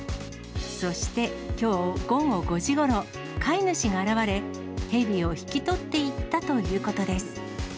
そしてきょう午後５時ごろ、飼い主が現れ、ヘビを引き取っていったということです。